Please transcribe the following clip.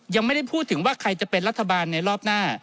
ยังไม่ได้พูดถึงว่าใครจะเป็นรัฐบาลในรอบหน้า